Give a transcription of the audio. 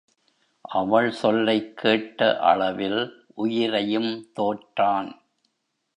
அவள் சொல்லைக் கேட்ட அளவில் உயிரையும் தோற்றான்.